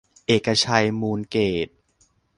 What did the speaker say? เอกชัย มูลเกษ